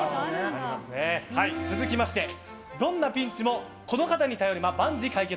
続きまして、どんなピンチもこの方に頼れば万事解決。